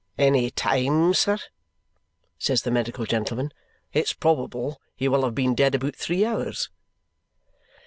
"Any time, sir?" says the medical gentleman. "It's probable he wull have been dead aboot three hours."